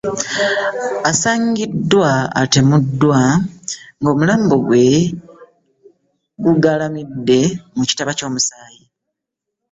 Asangidddwa ng'atemuddwa ng'omulambo gwe gugalamidde mu kitaba ky'omusaayi